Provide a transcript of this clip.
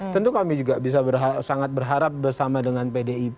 tentu kami juga bisa sangat berharap bersama dengan pdip